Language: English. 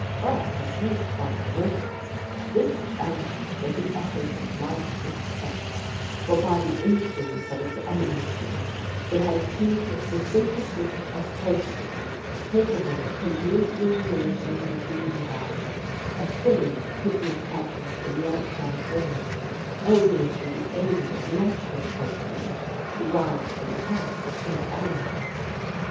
But, as used by the Germans, this element was the essence of life itself, for by the influence of its emanations, they had achieved the synthesis of protein capable of completely nourishing the human body a thing that could be accomplished in the outside world only through the aid of natural protein derived from plants and animals.